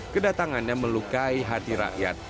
kedatangannya melukai hati rakyat